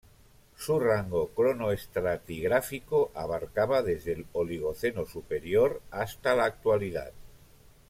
Su rango cronoestratigráfico abarcaba desde el Oligoceno superior hasta la Actualidad.